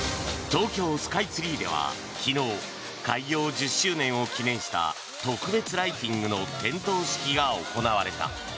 東京スカイツリーでは昨日、開業１０周年を記念した特別ライティングの点灯式が行われた。